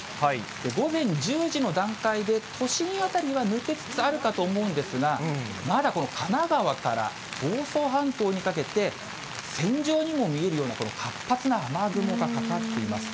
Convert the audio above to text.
午前１０時の段階で、都心辺りは抜けつつあるかと思うんですが、まだこの神奈川から房総半島にかけて、線状にも見えるような、この活発な雨雲がかかっています。